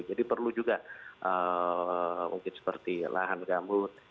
jadi perlu juga mungkin seperti lahan gambut